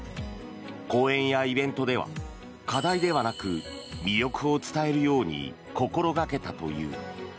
講演やイベントでは課題ではなく魅力を伝えるように心掛けたという。